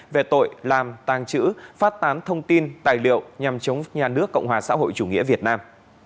về tội làm tàng trữ phát tán thông tin tài liệu nhằm chống nhà nước cộng hòa xã hội chủ nghĩa việt nam